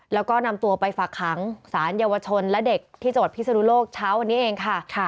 แล้วก็นำตัวไปฝากขังสารเยาวชนและเด็กที่จังหวัดพิศนุโลกเช้าวันนี้เองค่ะ